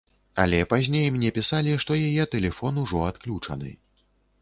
Але пазней мне пісалі, што яе тэлефон ужо адключаны.